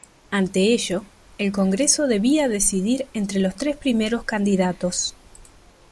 Ante ello, el congreso debía decidir entre los tres primeros candidatos.